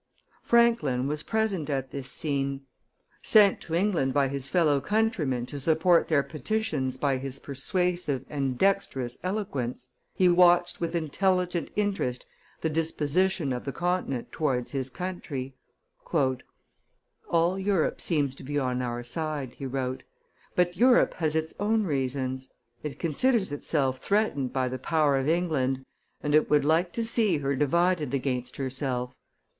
Franklin was present at this scene. Sent to England by his fellow countrymen to support their petitions by his persuasive and dexterous eloquence, he watched with intelligent interest the disposition of the Continent towards his country. "All Europe seems to be on our side," he wrote; "but Europe has its own reasons: it considers itself threatened by the power of England, and it would like to see her divided against herself.